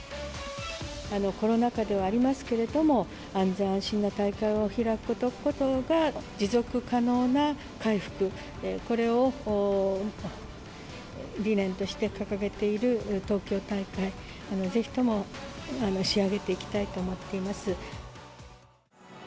コロナ禍ではありますけれども、安全安心な大会を開くことが持続可能な回復、これを理念として掲げている東京大会、ぜひとも仕上げていきたいと思っています。